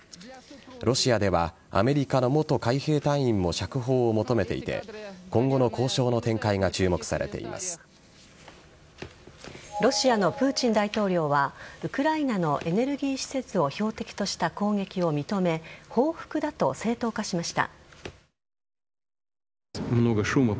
ロシアではアメリカの元海兵隊員も釈放を求めていて今後の交渉の展開がロシアのプーチン大統領はウクライナのエネルギー施設を標的とした攻撃を認め報復だと正当化しました。